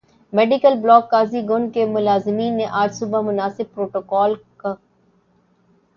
medical block Qazigund کے ملازمین نے آج صبح مناسب پروٹوکول ک